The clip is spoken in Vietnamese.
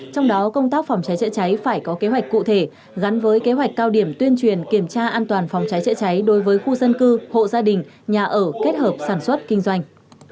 trong đó công tác phòng cháy chữa cháy phải có kế hoạch cụ thể gắn với kế hoạch cao điểm tuyên truyền kiểm tra an toàn phòng cháy chữa cháy đối với khu dân cư hộ gia đình nhà ở kết hợp sản xuất kinh doanh